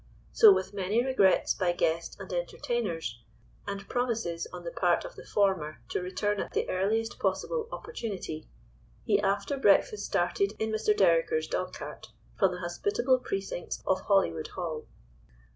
So, with many regrets by guest and entertainers, and promises on the part of the former to return at the earliest possible opportunity, he after breakfast started in Mr. Dereker's dog cart from the hospitable precincts of Hollywood Hall.